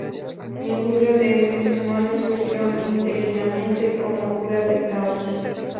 En julio de ese mismo año sirvió interinamente como cura de Taos.